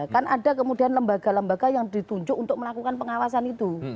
kan ada kemudian lembaga lembaga yang ditunjuk untuk melakukan pengawasan itu